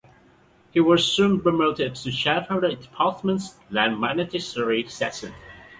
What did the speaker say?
He was soon promoted to chief of the department's "Land Magnetic Survey" section.